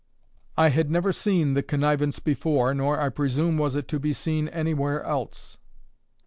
I had never seen the connivance before, nor, I presume, was it to be seen anywhere else.